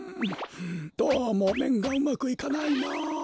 どうもめんがうまくいかないなあ。